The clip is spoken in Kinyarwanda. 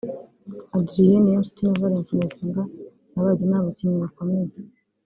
Adrien (Niyonshuti) na Valens (Ndayisenga) ndabazi ni abakinnyi bakomeye